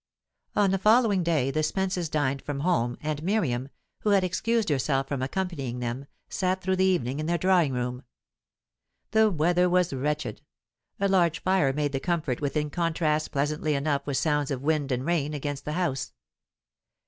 On the following day, the Spences dined from home, and Miriam, who had excused herself from accompanying them, sat through the evening in their drawing room. The weather was wretched; a large fire made the comfort within contrast pleasantly enough with sounds of wind and rain against the house.